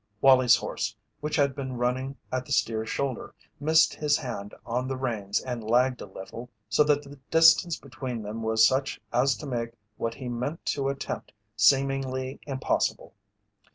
Wallie's horse, which had been running at the steer's shoulder, missed his hand on the reins and lagged a little, so that the distance between them was such as to make what he meant to attempt seemingly impossible.